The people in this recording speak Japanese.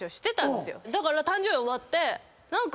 だから誕生日終わって。